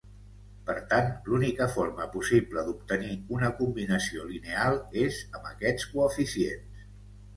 Per tant, l'única forma possible d'obtenir una combinació lineal és amb aquests coeficients.